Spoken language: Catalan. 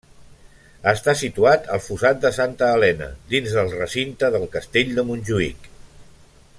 Està situat al Fossat de Santa Elena, dins del recinte del Castell de Montjuïc.